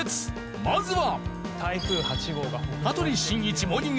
まずは。